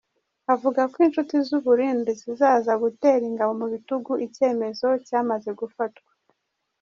Avuga ko inshuti z’u Burundi zizaza gutera ingabo mu bitugu icyemezo cyamaze gufatwa.